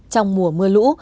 trong mùa mưa lũ